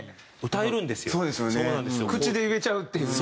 口で言えちゃうっていうね。